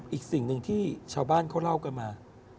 อีกสิ่งหนึ่งที่ชาวบ้านเขาเล่ากันมา